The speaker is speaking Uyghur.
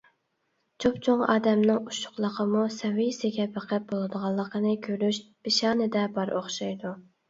چوپچوڭ ئادەمنىڭ ئۇششۇقلۇقىمۇ سەۋىيسىگە بېقىپ بولىدىغانلىقىنى كۆرۈش پىشانىدە بار ئوخشايدۇ.